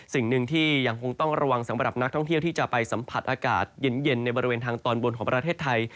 สิ่งหนึ่งที่ยังคงต้องระวังสำหรับนักท่องเที่ยวที่จะไปสัมผัสอากาศเย็นในบริเวณทางตอนบนของประเทศไทย